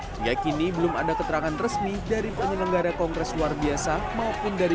hingga kini belum ada keterangan resmi dari penyelenggara kongres luar biasa maupun dari